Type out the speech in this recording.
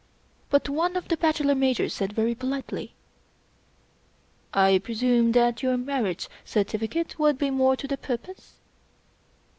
But one of the Bachelor Majors said very politely :" I presume that your marriage certificate would be more to the purpose?"